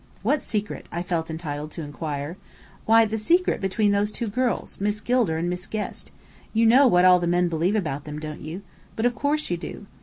"What secret?" I felt entitled to inquire. "Why, the secret between those two girls, Miss Gilder and Miss Guest. You know what all the men believe about them, don't you? But of course you do."